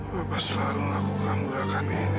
papa selalu ngakukan gerakan ini